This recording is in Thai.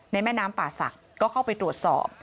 แม่น้ำป่าศักดิ์ก็เข้าไปตรวจสอบ